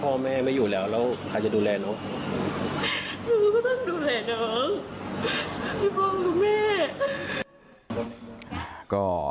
เลขบัญชีอยู่ที่หน้าจอนะครับท่านผู้ชมครับถ้าต้องการช่วยเหลือนะฮะ